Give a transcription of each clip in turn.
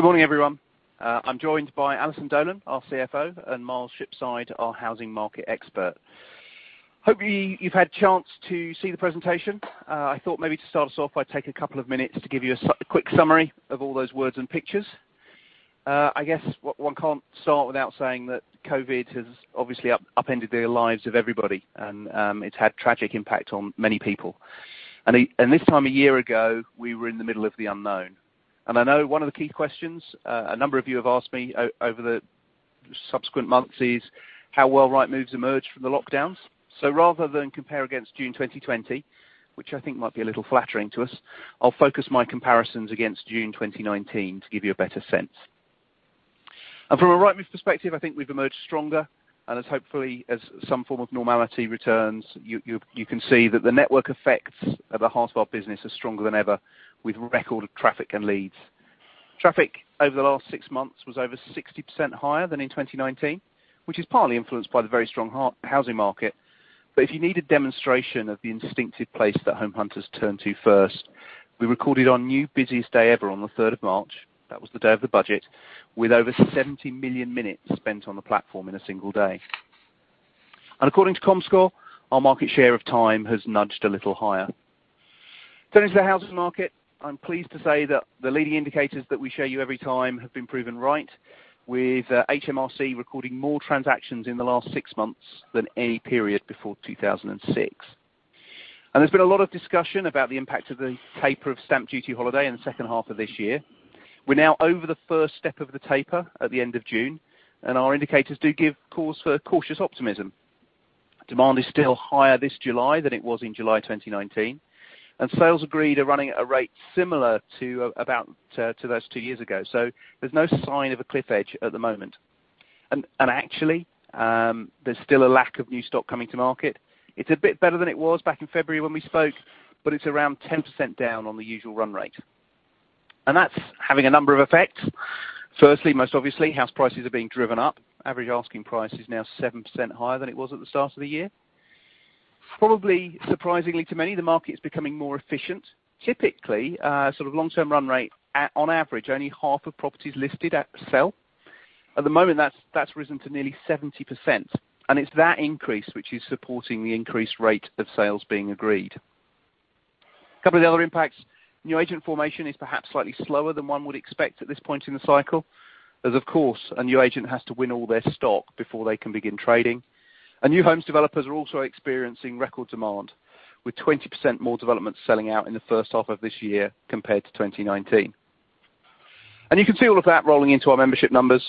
Good morning, everyone. I'm joined by Alison Dolan, our CFO, and Miles Shipside, our Housing Market Expert. Hopefully, you've had a chance to see the presentation. I thought maybe to start us off, I'd take a couple of minutes to give you a quick summary of all those words and pictures. I guess one can't start without saying that COVID has obviously upended the lives of everybody, and it's had a tragic impact on many people. This time a year ago, we were in the middle of the unknown. I know one of the key questions a number of you have asked me over the subsequent months is how well Rightmove emerged from the lockdowns. Rather than compare against June 2020, which I think might be a little flattering to us, I'll focus my comparisons against June 2019 to give you a better sense. From a Rightmove perspective, I think we've emerged stronger and as hopefully as some form of normality returns, you can see that the network effects at the heart of our business are stronger than ever with record traffic and leads. Traffic over the last six months was over 60% higher than in 2019, which is partly influenced by the very strong housing market. If you need a demonstration of the instinctive place that home hunters turn to first, we recorded our new busiest day ever on the 3rd of March, that was the day of the budget, with over 70 million minutes spent on the platform in a single day. According to Comscore, our market share of time has nudged a little higher. Turning to the housing market, I'm pleased to say that the leading indicators that we show you every time have been proven right with HMRC recording more transactions in the last 6 months than any period before 2006. There's been a lot of discussion about the impact of the taper of stamp duty holiday in the second half of this year. We're now over the first step of the taper at the end of June. Our indicators do give cautious optimism. Demand is still higher this July than it was in July 2019. Sales agreed are running at a rate similar to about to those 2 years ago. There's no sign of a cliff edge at the moment. Actually, there's still a lack of new stock coming to market. It's a bit better than it was back in February when we spoke, but it's around 10% down on the usual run rate. That's having a number of effects. Firstly, most obviously, house prices are being driven up. Average asking price is now 7% higher than it was at the start of the year. Probably surprisingly to many, the market is becoming more efficient. Typically, sort of long-term run rate, on average, only half of properties listed sell. At the moment that's risen to nearly 70%, and it's that increase, which is supporting the increased rate of sales being agreed. A couple of the other impacts, new agent formation is perhaps slightly slower than one would expect at this point in the cycle, as of course, a new agent has to win all their stock before they can begin trading. New homes developers are also experiencing record demand, with 20% more developments selling out in the first half of this year compared to 2019. You can see all of that rolling into our membership numbers.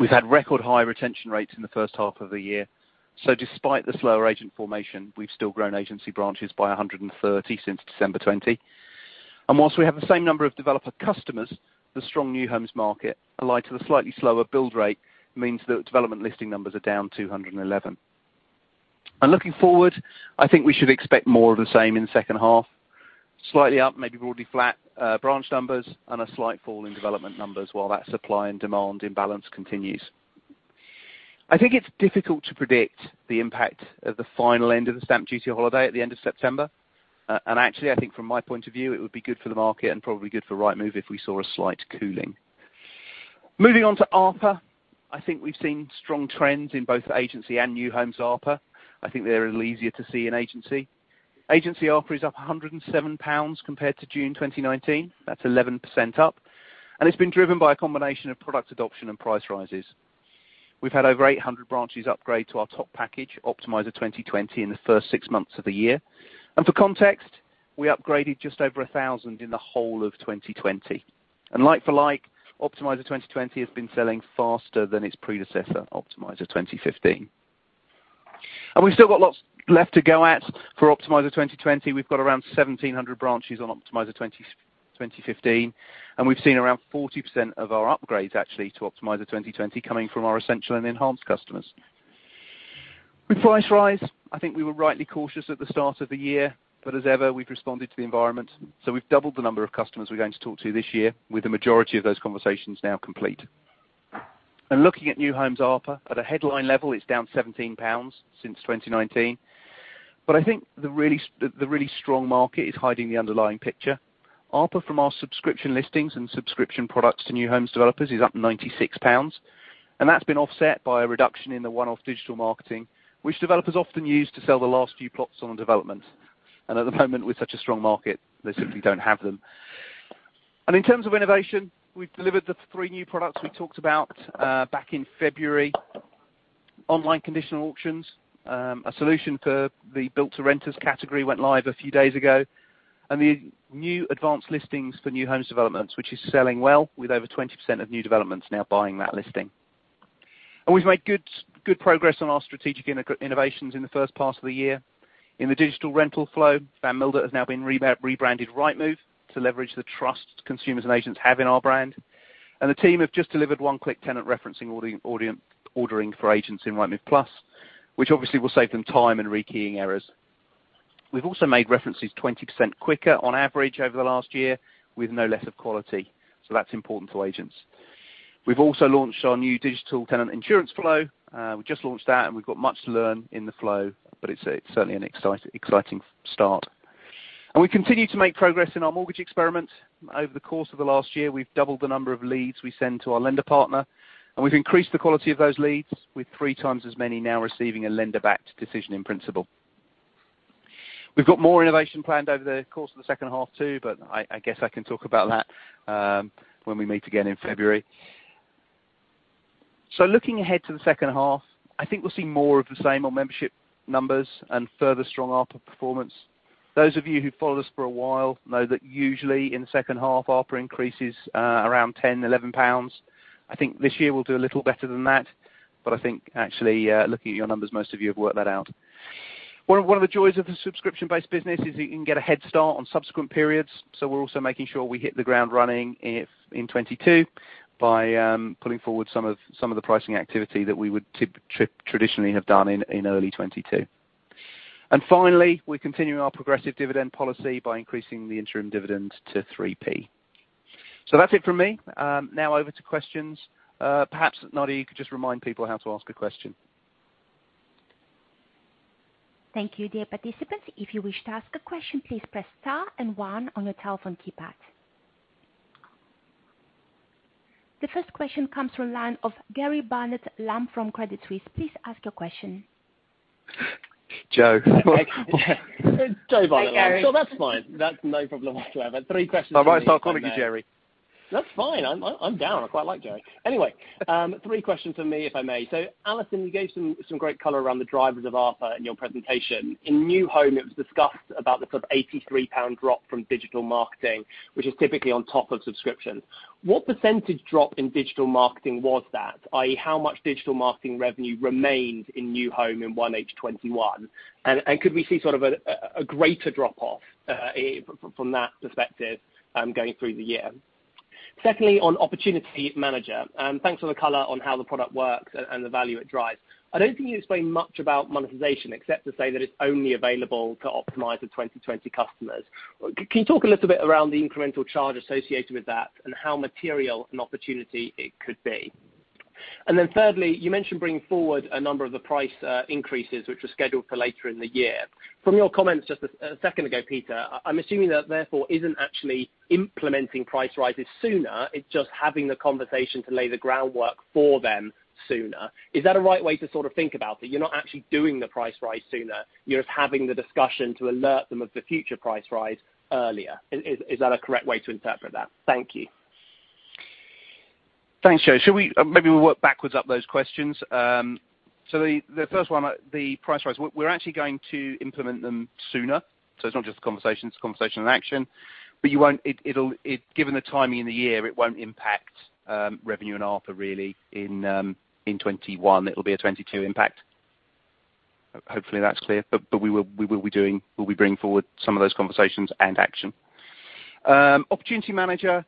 We've had record high retention rates in the first half of the year. Despite the slower agent formation, we've still grown agency branches by 130 since December 2020. Whilst we have the same number of developer customers, the strong new homes market, allied to the slightly slower build rate, means that development listing numbers are down 211. Looking forward, I think we should expect more of the same in the second half. Slightly up, maybe broadly flat branch numbers, and a slight fall in development numbers while that supply and demand imbalance continues. I think it's difficult to predict the impact of the final end of the stamp duty holiday at the end of September, actually, I think from my point of view, it would be good for the market and probably good for Rightmove if we saw a slight cooling. Moving on to ARPA. I think we've seen strong trends in both agency and new homes ARPA. I think they're a little easier to see in agency. Agency ARPA is up 107 pounds compared to June 2019. That's 11% up, it's been driven by a combination of product adoption and price rises. We've had over 800 branches upgrade to our top package, Optimiser 2020, in the first six months of the year. For context, we upgraded just over 1,000 in the whole of 2020. Like for like, Optimiser 2020 has been selling faster than its predecessor, Optimiser 2015. We've still got lots left to go at for Optimiser 2020. We've got around 1,700 branches on Optimiser 2015, and we've seen around 40% of our upgrades actually to Optimiser 2020 coming from our essential and enhanced customers. With price rise, I think we were rightly cautious at the start of the year. As ever, we've responded to the environment. We've doubled the number of customers we're going to talk to this year, with the majority of those conversations now complete. Looking at new homes ARPA, at a headline level, it's down 17 pounds since 2019. I think the really strong market is hiding the underlying picture. ARPA from our subscription listings and subscription products to new homes developers is up 96 pounds, that's been offset by a reduction in the one-off digital marketing, which developers often use to sell the last few plots on a development. At the moment, with such a strong market, they simply don't have them. In terms of innovation, we've delivered the three new products we talked about back in February. Online conditional auctions, a solution for the build to rent category went live a few days ago, and the new advanced listings for new homes developments, which is selling well with over 20% of new developments now buying that listing. We've made good progress on our strategic innovations in the first part of the year. In the digital rental flow, Van Mildert has now been rebranded Rightmove to leverage the trust consumers and agents have in our brand. The team have just delivered one-click tenant referencing ordering for agents in Rightmove Plus, which obviously will save them time and rekeying errors. We've also made references 20% quicker on average over the last year with no less of quality, so that's important for agents. We've also launched our new digital tenant insurance flow. We just launched that, and we've got much to learn in the flow, but it's certainly an exciting start. We continue to make progress in our mortgage experiment. Over the course of the last year, we've doubled the number of leads we send to our lender partner, and we've increased the quality of those leads, with three times as many now receiving a lender-backed decision in principle. We've got more innovation planned over the course of the second half too, but I guess I can talk about that when we meet again in February. Looking ahead to the second half, I think we'll see more of the same on membership numbers and further strong ARPA performance. Those of you who've followed us for a while know that usually in the second half, ARPA increases around 10, 11 pounds. I think this year we'll do a little better than that, but I think actually, looking at your numbers, most of you have worked that out. One of the joys of the subscription-based business is that you can get a head start on subsequent periods, so we're also making sure we hit the ground running in 2022 by pulling forward some of the pricing activity that we would traditionally have done in early 2022. Finally, we're continuing our progressive dividend policy by increasing the interim dividend to 3p. That's it from me. Now over to questions. Perhaps, Nadia, you could just remind people how to ask a question. Thank you, dear participants. If you wished to ask the question, please press star and one on your telephone keypad. The first question comes from line of Joe Barnet-Lamb from Credit Suisse. Please ask your question. Joe. Joe Barnet-Lamb. Hey, Joe Barnet-Lamb. That's fine. That's no problem whatsoever. Three questions from me, if I may. I might start calling you Gary. That's fine. I'm down. I quite like Gary. Anyway, three questions from me, if I may. Alison, you gave some great color around the drivers of ARPA in your presentation. In New Home, it was discussed about the sort of 83 pound drop from digital marketing, which is typically on top of subscriptions. What percentage drop in digital marketing was that, i.e., how much digital marketing revenue remained in New Home in 1H 2021? Could we see sort of a greater drop-off from that perspective going through the year? Secondly, on Opportunity Manager, thanks for the color on how the product works and the value it drives. I don't think you explained much about monetization except to say that it's only available to Optimiser 2020 customers. Can you talk a little bit around the incremental charge associated with that and how material an opportunity it could be? Thirdly, you mentioned bringing forward a number of the price increases, which were scheduled for later in the year. From your comments just a second ago, Peter, I'm assuming that therefore isn't actually implementing price rises sooner, it's just having the conversation to lay the groundwork for them sooner. Is that a right way to sort of think about that? You're not actually doing the price rise sooner, you're just having the discussion to alert them of the future price rise earlier. Is that a correct way to interpret that? Thank you. Thanks, Joe. Should we maybe work backwards up those questions? The first one, the price rise, we're actually going to implement them sooner, so it's not just a conversation, it's a conversation and action. Given the timing in the year, it won't impact revenue and ARPA really in 2021. It'll be a 2022 impact. Hopefully, that's clear. We will be bringing forward some of those conversations and action. Opportunity Manager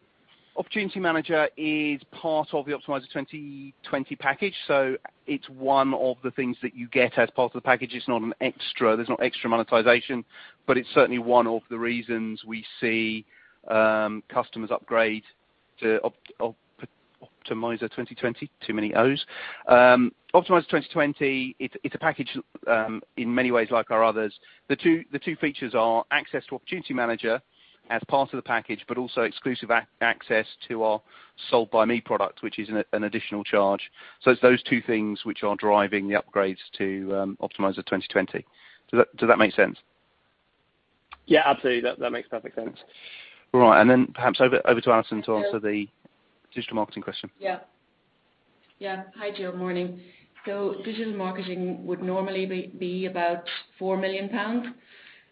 is part of the Optimiser 2020 package, so it's one of the things that you get as part of the package. It's not an extra. There's not extra monetization, but it's certainly one of the reasons we see customers upgrade to Optimiser 2020. Too many Os. Optimiser 2020, it's a package in many ways like our others. The two features are access to Opportunity Manager as part of the package, but also exclusive access to our Sold By Me product, which is an additional charge. It's those two things which are driving the upgrades to Optimiser 2020. Does that make sense? Yeah, absolutely. That makes perfect sense. All right. Perhaps over to Alison to answer the digital marketing question. Yeah. Hi, Joe. Morning. Digital marketing would normally be about 4 million pounds,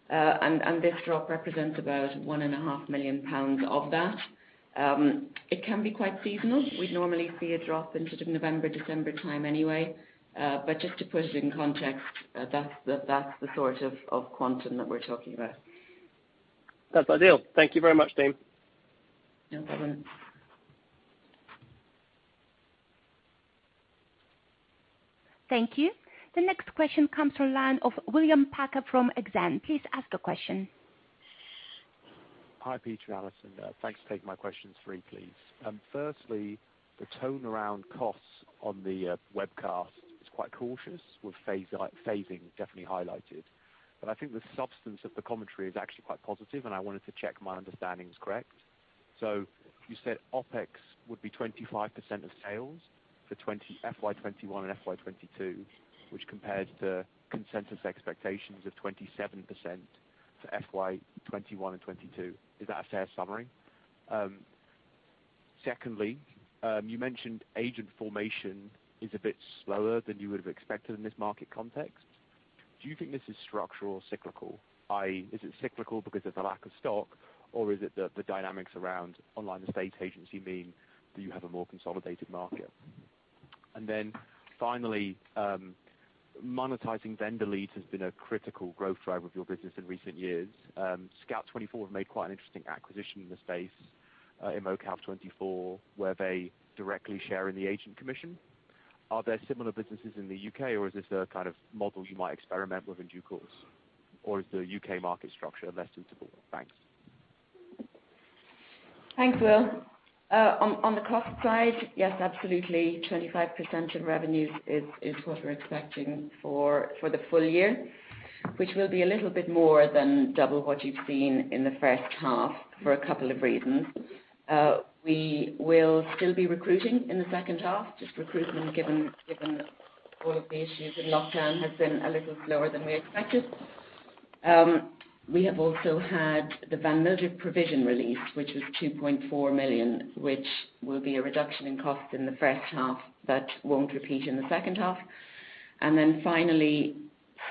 and this drop represents about 1.5 million pounds of that. It can be quite seasonal. We'd normally see a drop in sort of November, December time anyway, but just to put it in context, that's the sort of quantum that we're talking about. That's ideal. Thank you very much, team. No problem. Thank you. The next question comes from line of William Packer from Exane. Please ask your question. Hi, Peter and Alison. Thanks for taking my questions. Three, please. Firstly, the tone around costs on the webcast is quite cautious, with phasing definitely highlighted. I think the substance of the commentary is actually quite positive, and I wanted to check my understanding is correct. You said OPEX would be 25% of sales for FY 2021 and FY 2022, which compares to consensus expectations of 27% for FY 2021 and FY 2022. Is that a fair summary? Secondly, you mentioned agent formation is a bit slower than you would have expected in this market context. Do you think this is structural or cyclical, i.e., is it cyclical because of the lack of stock, or is it the dynamics around online estate agency mean that you have a more consolidated market? Then, finally, monetizing vendor leads has been a critical growth driver of your business in recent years. Scout24 have made quite an interesting acquisition in the space [ImmoScout24], where they directly share in the agent commission. Are there similar businesses in the U.K. or is this a kind of model you might experiment with in due course? Is the U.K. market structure less suitable? Thanks. Thanks, Will. On the cost side, yes, absolutely, 25% of revenues is what we're expecting for the full year, which will be a little bit more than double what you've seen in the first half for a couple of reasons. We will still be recruiting in the second half. Just recruitment given all of the issues in lockdown has been a little slower than we expected. We have also had the Van Mildert provision release, which was 2.4 million, which will be a reduction in cost in the first half that won't repeat in the second half. Finally,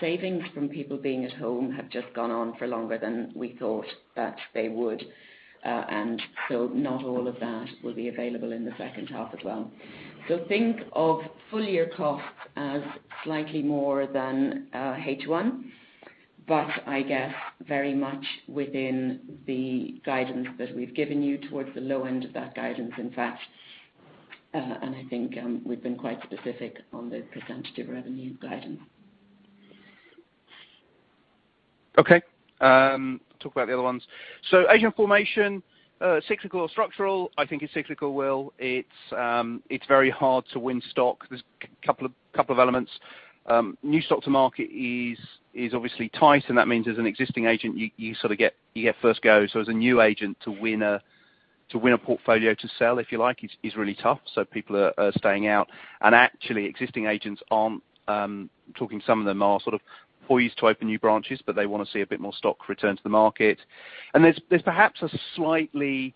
savings from people being at home have just gone on for longer than we thought that they would. Not all of that will be available in the second half as well. Think of full-year costs as slightly more than H1, but I guess very much within the guidance that we've given you towards the low end of that guidance, in fact. I think we've been quite specific on the percentage of revenue guidance. Okay. Talk about the other ones. Agent formation, cyclical or structural? I think it's cyclical, Will. It's very hard to win stock. There's a couple of elements. New stock to market is obviously tight, and that means as an existing agent, you sort of get first go. As a new agent to win a portfolio to sell, if you like, is really tough, so people are staying out. Actually, existing agents aren't talking. Some of them are sort of poised to open new branches, but they want to see a bit more stock return to the market. There's perhaps a slightly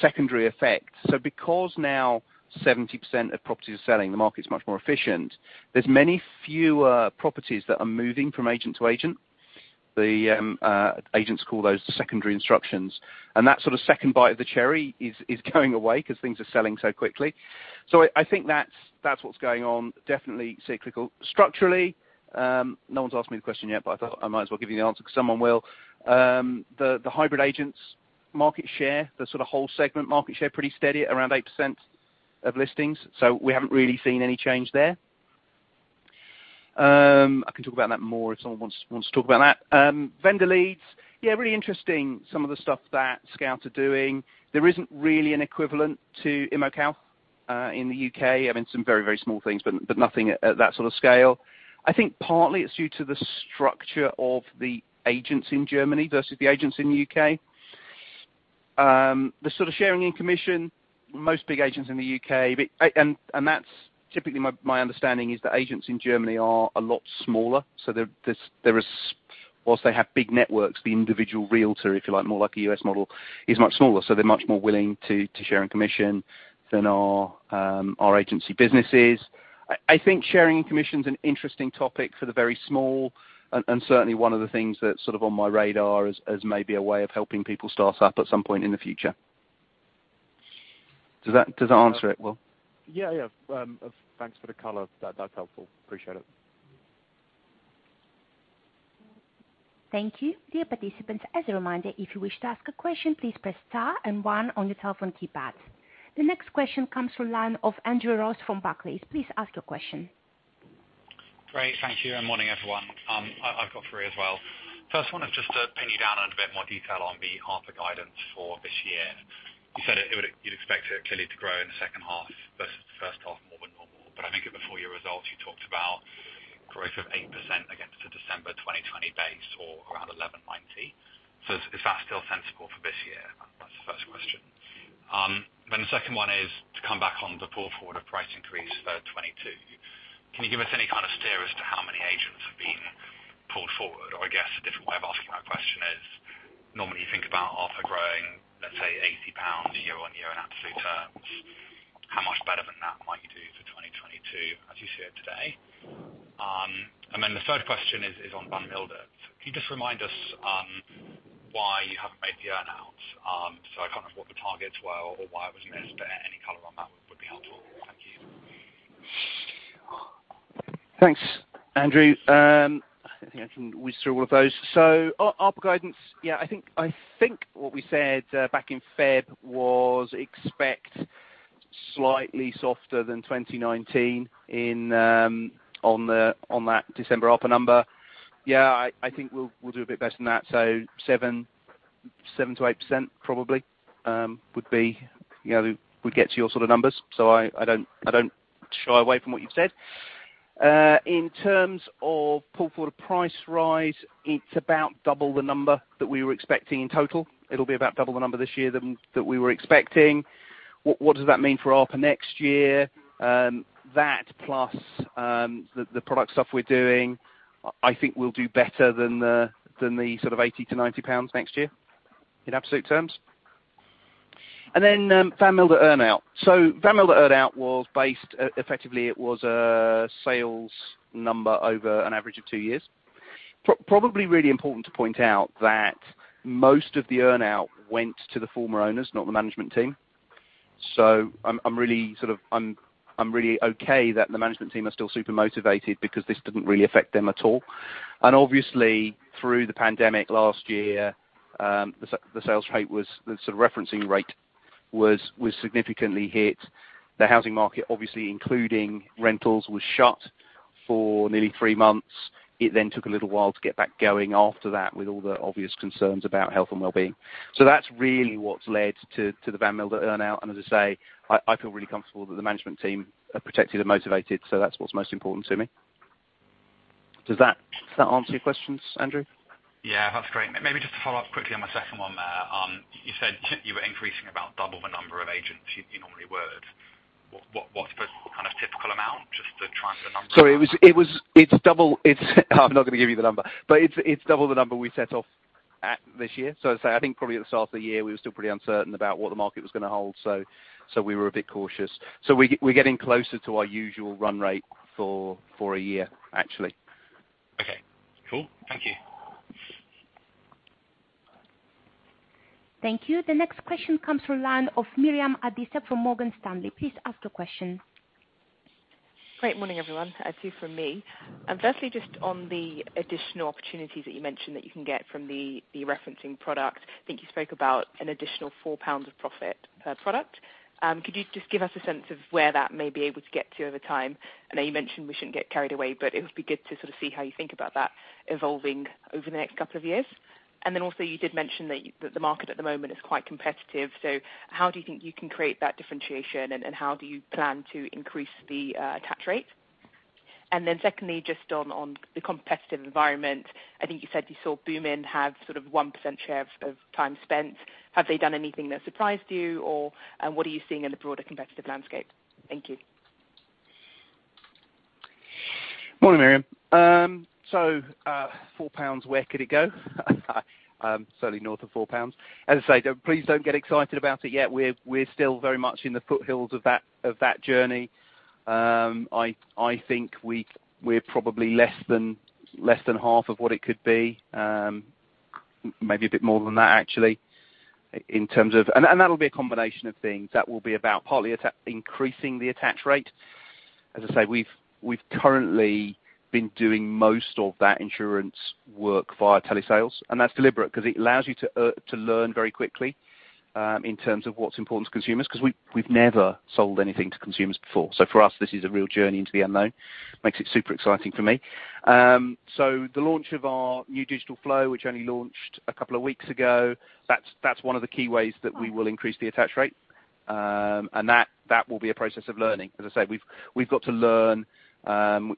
secondary effect. Because now 70% of properties are selling, the market's much more efficient. There's many fewer properties that are moving from agent to agent. The agents call those the secondary instructions. That sort of second bite of the cherry is going away because things are selling so quickly. I think that's what's going on. Definitely cyclical. Structurally, no one's asked me the question yet, but I thought I might as well give you the answer because someone will. The hybrid agents market share, the sort of whole segment market share, pretty steady around 8% of listings. We haven't really seen any change there. I can talk about that more if someone wants to talk about that. Vendor leads. Yeah, really interesting, some of the stuff that Scout24 are doing. There isn't really an equivalent to ImmoScout24 in the U.K. I mean, some very small things, but nothing at that sort of scale. I think partly it's due to the structure of the agents in Germany versus the agents in the U.K. The sort of sharing in commission, most big agents in the U.K. That's typically my understanding is that agents in Germany are a lot smaller. Whilst they have big networks, the individual realtor, if you like, more like a U.S. model, is much smaller. They're much more willing to share in commission than our agency businesses. I think sharing in commission is an interesting topic for the very small and certainly one of the things that's sort of on my radar as maybe a way of helping people start up at some point in the future. Does that answer it, Will? Yeah. Thanks for the color. That's helpful. Appreciate it. Thank you. Dear participants, as a reminder, if you wish to ask a question, please press star and one on your telephone keypad. The next question comes from line of Andrew Ross from Barclays. Please ask your question. Great. Thank you. Morning, everyone. I've got three as well. First one is just to pin you down on a bit more detail on the ARPA guidance for this year. You said you'd expect it clearly to grow in the second half versus the first half more than normal. I think at the full-year results, you talked about growth of 8% against a December 2020 base or around 1,190. Is that still sensible for this year? That's the first question. The second one is to come back on the pull forward of price increase for 2022. Can you give us any kind of steer as to how many agents have been pulled forward? I guess a different way of asking that question is, normally you think about ARPA growing, let's say 80 pounds year-on-year in absolute terms. How much better than that might you do for 2022 as you see it today? The third question is on Van Mildert. Can you just remind us why you haven't made the earn-out? I can't remember what the targets were or why it was missed, but any color on that would be helpful. Thank you. Thanks, Andrew. I think I can wheeze through all of those. ARPA guidance, yeah, I think what we said back in Feb was expect slightly softer than 2019 on that December ARPA number. Yeah, I think we'll do a bit better than that. 7%-8% probably would get to your sort of numbers. I don't shy away from what you've said. In terms of pull forward price rise, it's about double the number that we were expecting in total. It'll be about double the number this year that we were expecting. What does that mean for ARPA next year? That plus the product stuff we're doing, I think we'll do better than the sort of 80-90 pounds next year in absolute terms. Then, Van Mildert earn-out. Van Mildert earn-out was based, effectively it was a sales number over an average of two years. Probably really important to point out that most of the earn-out went to the former owners, not the management team. I'm really okay that the management team are still super motivated because this didn't really affect them at all. Obviously through the pandemic last year, the referencing rate was significantly hit. The housing market, obviously, including rentals, was shut for nearly 3 months. It then took a little while to get back going after that with all the obvious concerns about health and wellbeing. That's really what's led to the Van Mildert earn-out, and as I say, I feel really comfortable that the management team are protected and motivated. That's what's most important to me. Does that answer your questions, Andrew? Yeah. That's great. Just to follow up quickly on my second one there. You said you were increasing about double the number of agents you normally would. What's the kind of typical amount just to translate the numbers? I'm not going to give you the number. It's double the number we set off at this year. As I say, I think probably at the start of the year, we were still pretty uncertain about what the market was going to hold. We were a bit cautious. We're getting closer to our usual run rate for a year, actually. Okay. Cool. Thank you. Thank you. The next question comes from the line of Miriam Adisa from Morgan Stanley. Please ask your question. Great morning, everyone. Two from me. Just on the additional opportunities that you mentioned that you can get from the referencing product, I think you spoke about an additional 4 pounds of profit per product. Could you just give us a sense of where that may be able to get to over time? I know you mentioned we shouldn't get carried away, but it would be good to sort of see how you think about that evolving over the next couple of years. Also you did mention that the market at the moment is quite competitive, how do you think you can create that differentiation, and how do you plan to increase the attach rate? Then, secondly, just on the competitive environment, I think you said you saw Boomin have sort of 1% share of time spent. Have they done anything that surprised you, or what are you seeing in the broader competitive landscape? Thank you. Morning, Miriam. 4 pounds, where could it go? Certainly north of 4 pounds. As I say, please don't get excited about it yet. We're still very much in the foothills of that journey. I think we're probably less than half of what it could be. Maybe a bit more than that, actually. That'll be a combination of things. That will be about partly increasing the attach rate. As I say, we've currently been doing most of that insurance work via telesales, and that's deliberate because it allows you to learn very quickly in terms of what's important to consumers, because we've never sold anything to consumers before. For us, this is a real journey into the unknown. Makes it super exciting for me. The launch of our new digital flow, which only launched a couple of weeks ago, that's one of the key ways that we will increase the attach rate. That will be a process of learning. As I say, we've got to learn.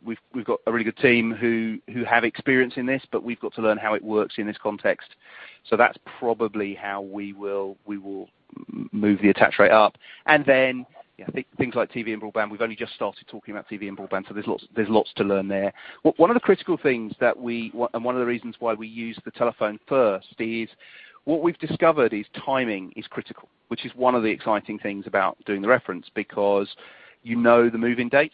We've got a really good team who have experience in this, but we've got to learn how it works in this context. That's probably how we will move the attach rate up. Then, things like TV and broadband, we've only just started talking about TV and broadband, so there's lots to learn there. One of the critical things, and one of the reasons why we use the telephone first is what we've discovered is timing is critical, which is one of the exciting things about doing the reference because you know the move-in date.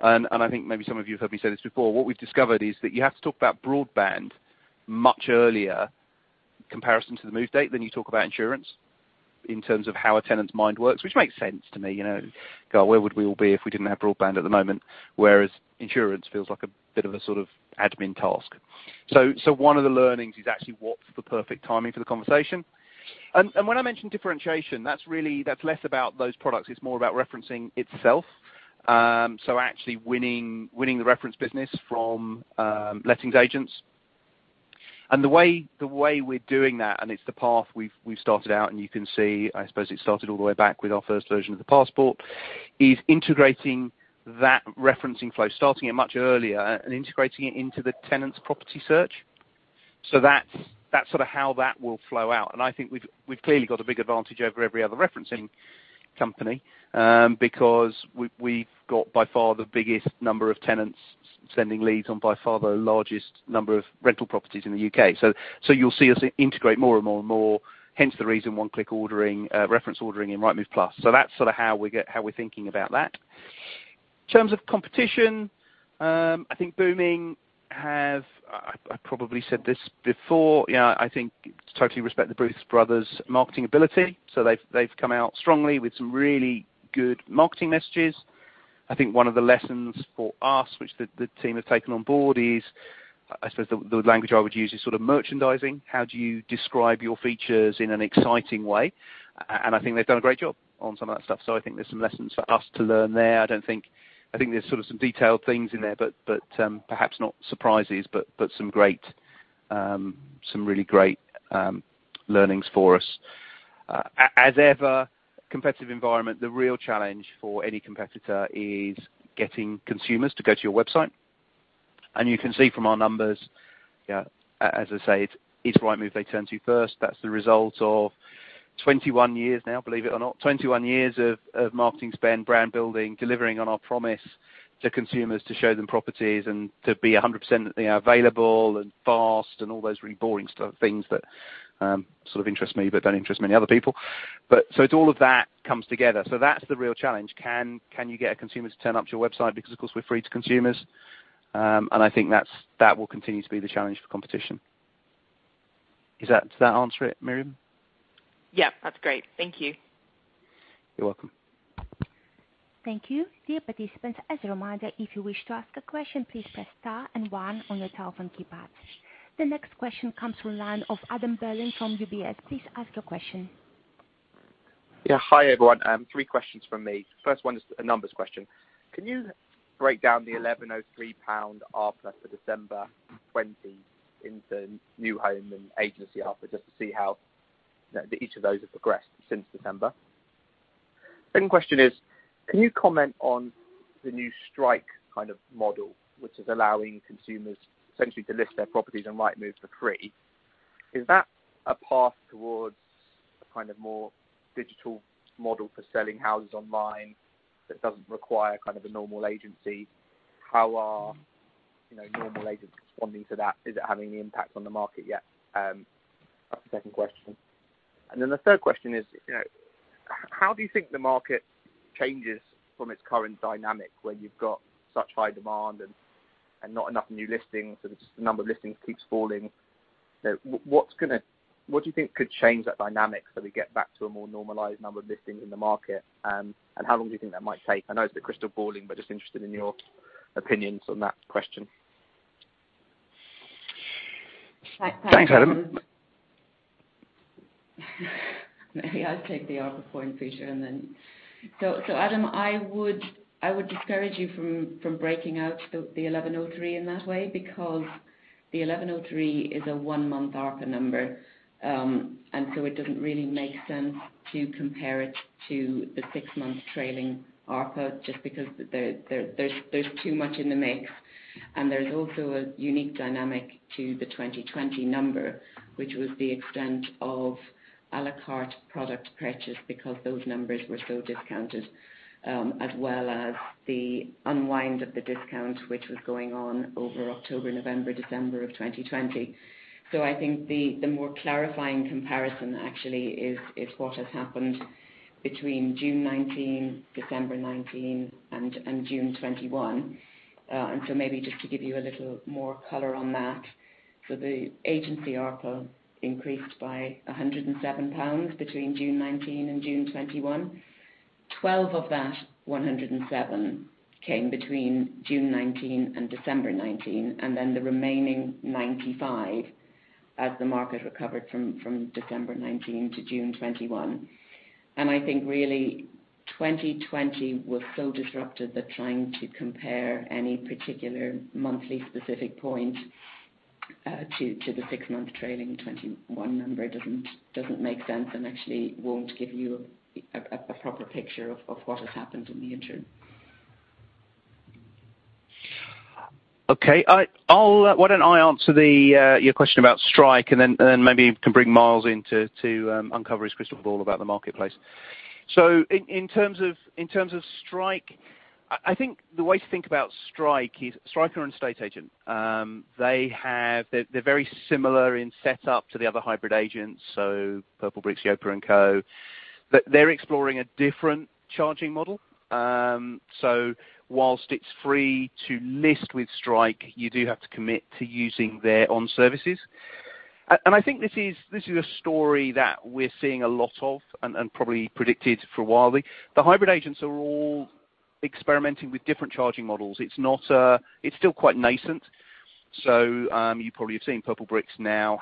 I think maybe some of you have heard me say this before. What we've discovered is that you have to talk about broadband much earlier comparison to the move date than you talk about insurance in terms of how a tenant's mind works, which makes sense to me. Where would we all be if we didn't have broadband at the moment? Whereas insurance feels like a bit of a sort of admin task. One of the learnings is actually what's the perfect timing for the conversation. When I mention differentiation, that's less about those products, it's more about referencing itself. Actually winning the reference business from lettings agents. The way we're doing that, and it's the path we've started out and you can see, I suppose it started all the way back with our first version of the passport, is integrating that referencing flow, starting it much earlier and integrating it into the tenant's property search. That's sort of how that will flow out, and I think we've clearly got a big advantage over every other referencing company, because we've got by far the biggest number of tenants sending leads on by far the largest number of rental properties in the U.K. You'll see us integrate more and more and more, hence the reason one-click reference ordering in Rightmove Plus. That's sort of how we're thinking about that. In terms of competition, I think Boomin. I probably said this before. I think totally respect the Bruce brothers' marketing ability. They've come out strongly with some really good marketing messages. I think one of the lessons for us, which the team has taken on board is, I suppose the language I would use is sort of merchandising. How do you describe your features in an exciting way? I think they've done a great job on some of that stuff. I think there's some lessons for us to learn there. I think there's sort of some detailed things in there, but perhaps not surprises, but some really great learnings for us. As ever, competitive environment, the real challenge for any competitor is getting consumers to go to your website. You can see from our numbers, as I say, it's Rightmove they turn to first. That's the result of 21 years now, believe it or not. 21 years of marketing spend, brand building, delivering on our promise to consumers to show them properties and to be 100% available and fast and all those really boring things that sort of interest me, but don't interest many other people. It's all of that comes together. That's the real challenge. Can you get a consumer to turn up to your website? Because, of course, we're free to consumers. I think that will continue to be the challenge for competition. Does that answer it, Miriam? Yeah. That's great. Thank you. You're welcome. Thank you. Dear participants, as a reminder, if you wish to ask a question, please press star and one on your telephone keypad. The next question comes from the line of Adam Berlin from UBS. Please ask your question. Yeah. Hi, everyone. Three questions from me. First one is a numbers question. Can you break down the 1,103 pound ARPA for December 2020 into new home and agency ARPA just to see how each of those have progressed since December? Second question is, can you comment on the new Strike kind of model, which is allowing consumers essentially to list their properties on Rightmove for free? Is that a path towards a kind of more digital model for selling houses online that doesn't require kind of a normal agency? How are normal agents responding to that? Is it having any impact on the market yet? That's the second question. The third question is, how do you think the market changes from its current dynamic, where you've got such high demand and not enough new listings, so the number of listings keeps falling? What do you think could change that dynamic so we get back to a more normalized number of listings in the market, and how long do you think that might take? I know it's a bit crystal ball-ing, but just interested in your opinions on that question. Thanks, Adam. Maybe I'll take the ARPA point, Peter, and then, so Adam, I would discourage you from breaking out the 1,103 in that way because the 1,103 is a 1-month ARPA number. It doesn't really make sense to compare it to the 6-month trailing ARPA just because there's too much in the mix. There's also a unique dynamic to the 2020 number, which was the extent of à la carte product purchase because those numbers were so discounted, as well as the unwind of the discount which was going on over October, November, December of 2020. I think the more clarifying comparison actually is what has happened between June 2019, December 2019, and June 2021. Maybe just to give you a little more color on that, the agency ARPA increased by 107 pounds between June 2019 and June 2021. 12 of that 107 came between June 2019 and December 2019. The remaining 95 as the market recovered from December 2019 to June 2021. I think really 2020 was so disrupted that trying to compare any particular monthly specific point to the six-month trailing 2021 number doesn't make sense and actually won't give you a proper picture of what has happened in the interim. Okay. Why don't I answer your question about Strike and then maybe we can bring Miles in to uncover his crystal ball about the marketplace. In terms of Strike, I think the way to think about Strike is Strike are an estate agent. They're very similar in setup to the other hybrid agents, so Purplebricks, Yopa and co. They're exploring a different charging model. Whilst it's free to list with Strike, you do have to commit to using their own services. I think this is a story that we're seeing a lot of and probably predicted for a while. The hybrid agents are all experimenting with different charging models. It's still quite nascent. You probably have seen Purplebricks now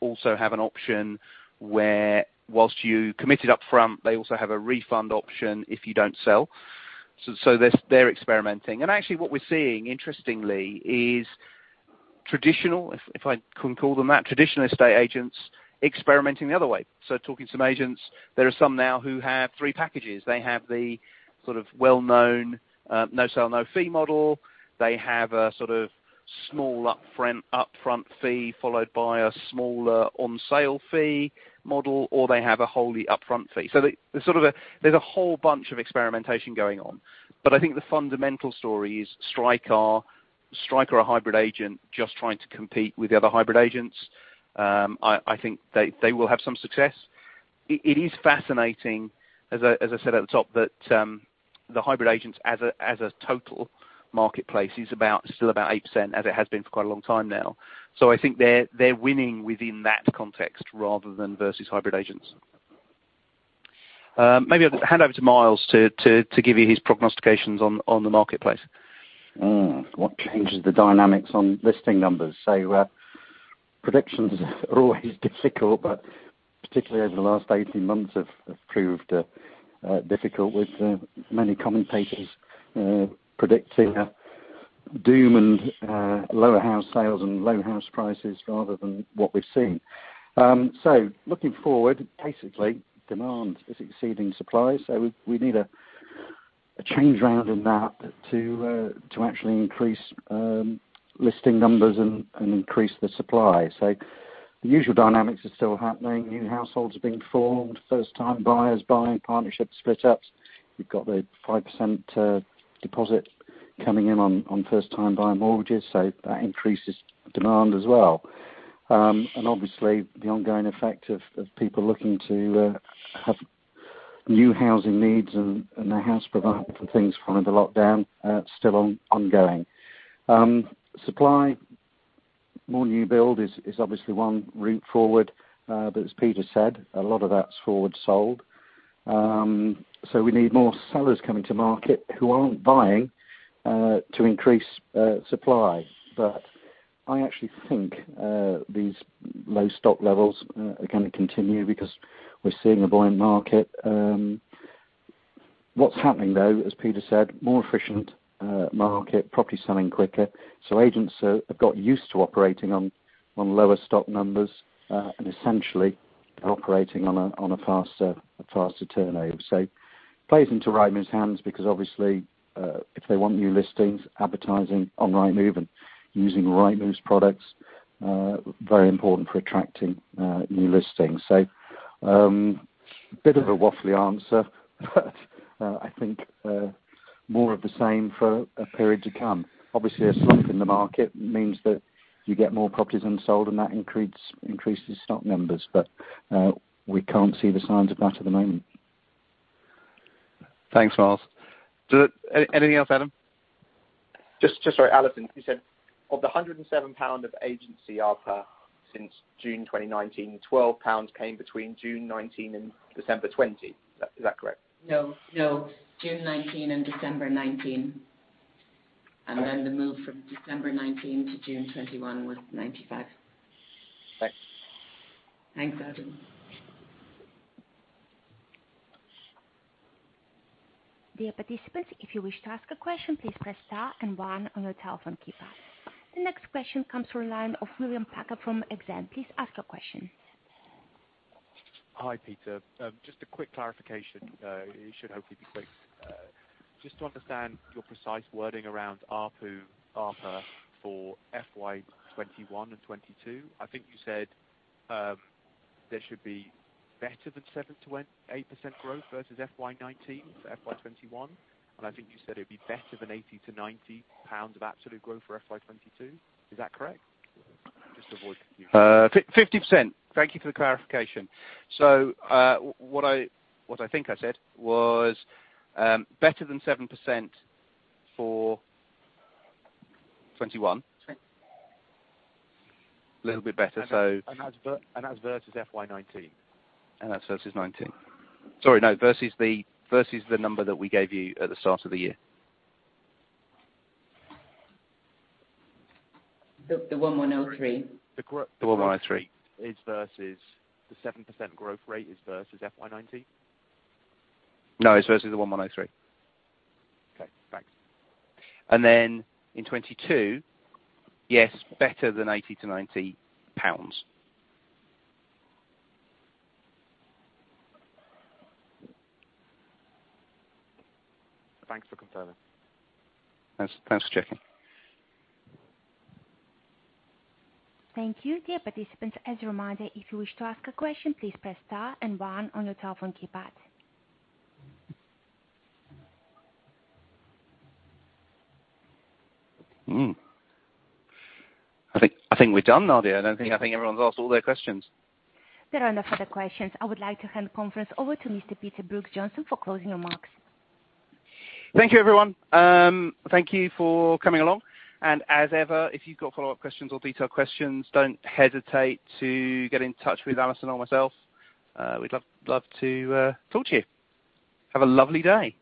also have an option where whilst you committed up front, they also have a refund option if you don't sell. They're experimenting. Actually what we're seeing, interestingly, is traditional, if I can call them that, traditional estate agents experimenting the other way. Talking to some agents, there are some now who have three packages. They have the sort of well-known no sale, no fee model. They have a sort of small upfront fee followed by a smaller on sale fee model, or they have a wholly upfront fee. There's a whole bunch of experimentation going on. I think the fundamental story is Strike are a hybrid agent just trying to compete with the other hybrid agents. I think they will have some success. It is fascinating, as I said at the top, that the hybrid agents as a total marketplace is still about 8%, as it has been for quite a long time now. I think they're winning within that context rather than versus hybrid agents. Maybe I'll hand over to Miles to give you his prognostications on the marketplace. What changes the dynamics on listing numbers. Predictions are always difficult, but particularly over the last 18 months have proved difficult with many commentators predicting doom and lower house sales and low house prices rather than what we are seeing. Looking forward, basically, demand is exceeding supply. We need a change around in that to actually increase listing numbers and increase the supply. The usual dynamics are still happening. New households are being formed, first-time buyers buying, partnerships split up. We've got the 5% deposit coming in on first-time buyer mortgages, so that increases demand as well. Obviously the ongoing effect of people looking to have new housing needs and a house provider for things following the lockdown still ongoing. Supply, more new build is obviously one route forward, but as Peter said, a lot of that's forward sold. We need more sellers coming to market who aren't buying to increase supply. I actually think these low stock levels are going to continue because we're seeing a buying market. What's happening though, as Peter said, more efficient market, property selling quicker. Agents have got used to operating on lower stock numbers and essentially operating on a faster turnover. It plays into Rightmove's hands because obviously if they want new listings, advertising on Rightmove and using Rightmove's products are very important for attracting new listings. A bit of a waffley answer. I think more of the same for a period to come. Obviously, a slump in the market means that you get more properties unsold and that increases stock numbers, but we can't see the signs of that at the moment. Thanks, Miles. Anything else, Adam? Just sorry, Alison, you said of the 107 pound of agency ARPA since June 2019, 12 pounds came between June 2019 and December 2020. Is that correct? No. June 2019 and December 2019. Okay. Then, the move from December 2019 to June 2021 was 95. Thanks. Thanks, Adam. Dear participants, if you wish to ask a question, please press star and one on your telephone keypad. The next question comes from line of William Packer from Exane. Please ask your question. Hi, Peter. Just a quick clarification. It should hopefully be quick. Just to understand your precise wording around ARPU, ARPA for FY 2021 and FY 2022. I think you said there should be better than 7%-8% growth versus FY 2019 for FY 2021, and I think you said it'd be better than 80-90 pounds of absolute growth for FY 2022. Is that correct? Just to avoid confusion. 50%. Thank you for the clarification. What I think I said was better than 7% for 2021. A little bit better. That's versus FY 2019? That's versus 2019. Sorry, no, versus the number that we gave you at the start of the year. The 1,103. The 1,103. Is versus the 7% growth rate is versus FY 2019? No, it's versus the 1,103. Okay, thanks. Then in 2022, yes, better than GBP 80-GBP 90. Thanks for confirming. Thanks for checking. Thank you. Dear participants, as a reminder, if you wish to ask a question, please press star and one on your telephone keypad. I think we're done, Nadia. I think everyone's asked all their questions. There are no further questions. I would like to hand the conference over to Mr. Peter Brooks-Johnson for closing remarks. Thank you everyone. Thank you for coming along. As ever, if you've got follow-up questions or detailed questions, don't hesitate to get in touch with Alison or myself. We'd love to talk to you. Have a lovely day.